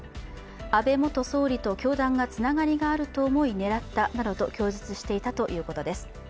安倍元総理と教団がつながりあると思い狙ったなどと供述していたということです。